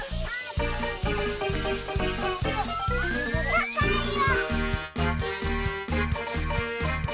たかいよ！